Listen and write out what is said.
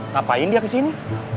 ngapain dia kesini